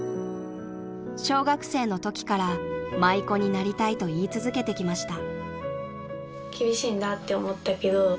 ［小学生のときから舞妓になりたいと言い続けてきました］